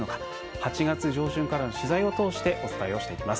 ８月上旬からの取材を通してお伝えをしていきます。